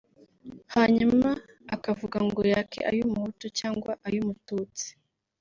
hanyuma akavuga ngo yake ay’umuhutu cyangwa ay’umututsi